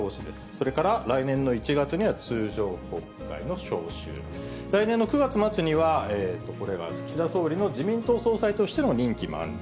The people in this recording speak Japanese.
それから来年の１月には通常国会の召集、来年の９月末には、これは岸田総理の自民党総裁としての任期満了。